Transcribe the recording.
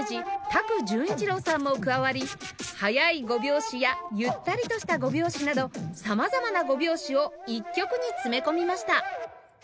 多久潤一朗さんも加わり速い５拍子やゆったりとした５拍子など様々な５拍子を一曲に詰め込みました